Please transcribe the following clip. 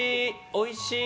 おいしい！